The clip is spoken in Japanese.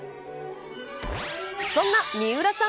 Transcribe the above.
そんな三浦さん